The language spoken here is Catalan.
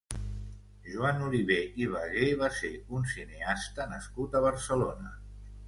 Joan Olivé i Vagué va ser un cineasta nascut a Barcelona.